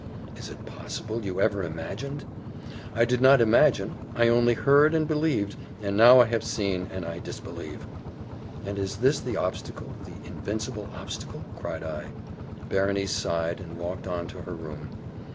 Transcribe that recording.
"Is it possible you ever imagined?" "I did not imagine, I only heard and believed and now I have seen, and I disbelieve." "And is this the obstacle, the invincible obstacle?" cried I. Berenice sighed, and walked on to her room.